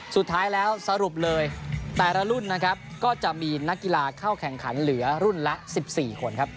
สุดท้ายแล้วสรุปเลยแต่ละรุ่นนะครับก็จะมีนักกีฬาเข้าแข่งขันเหลือรุ่นละ๑๔คนครับ